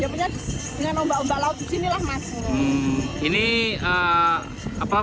ya punya dengan ombak ombak laut disinilah masuk